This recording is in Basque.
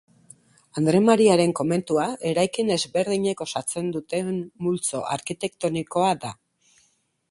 Andre Mariaren komentua, eraikin ezberdinek osatzen duten multzo arkitektonikoa da.